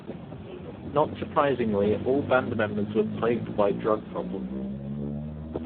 Not surprisingly, all band members were plagued by drug problems.